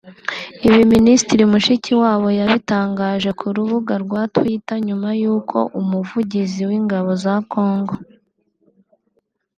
Ibi Minisitiri Mushikiwabo yabitangaje ku rubuga rwa Twitter nyuma yuko umuvugizi w’ingabo za Congo